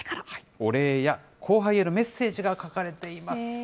お礼や後輩へのメッセージが書かれています。